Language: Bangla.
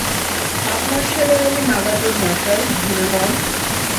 আপনার সেবায় আমি নাগাতোর মার্শাল, গিনেমন!